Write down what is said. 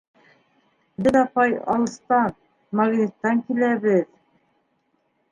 Беҙ, апай, алыҫтан, Магниттан киләбеҙ...